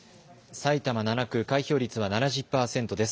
埼玉７区、開票率は７０％です。